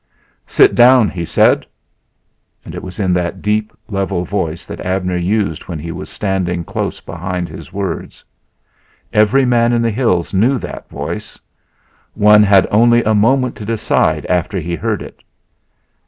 "Sit down!" he said; and it was in that deep, level voice that Abner used when he was standing close behind his words. Every man in the hills knew that voice; one had only a moment to decide after he heard it.